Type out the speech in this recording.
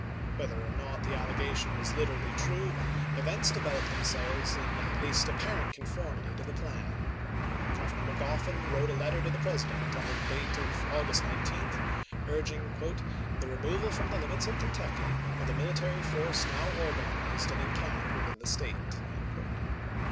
Whether or not the allegation was literally true, events developed them selves in at least an apparent conformity to the plan. Governor Magoffin wrote a letter to the President, under date of August 19, urging "the removal from the limits of Kentucky of the mili tary force now organized and in camp within the State."